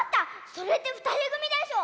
それってふたりぐみでしょ。